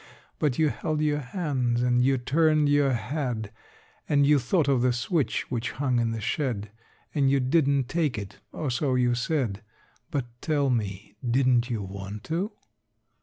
But you held your hands and you turned your head, And you thought of the switch which hung in the shed, And you didn't take it (or so you said), But tell me didn't you want to?